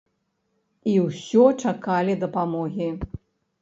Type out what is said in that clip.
І ўсё чакалі дапамогі.